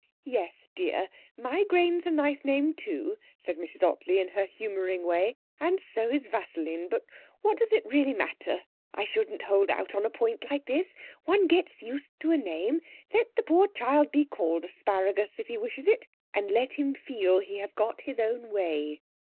'Yes, dear, Mygraine's a nice name, too,' said Mrs Ottley, in her humouring way, 'and so is Vaselyn. But what does it really matter? I shouldn't hold out on a point like this. One gets used to a name. Let the poor child be called Asparagus if he wishes it, and let him feel he has got his own way.'